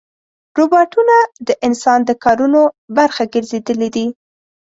روباټونه د انسان د کارونو برخه ګرځېدلي دي.